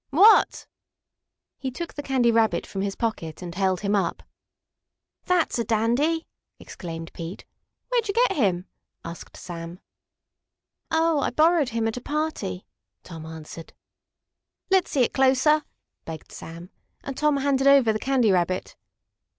"What?" He took the Candy Rabbit from his pocket and held him up. "That's a dandy!" exclaimed Pete. "Where'd you get him?" asked Sam. "Oh, I borrowed him at a party," Tom answered. "Let's see it closer," begged Sam, and Tom handed over the Candy Rabbit.